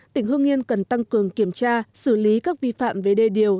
tỉnh hương yên cần tăng cường kiểm tra xử lý các vi phạm về đê điều